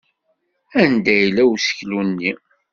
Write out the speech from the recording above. Anda yella useklu-nni?